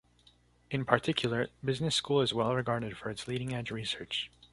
In particular, Business School is well regarded for its leading-edge research.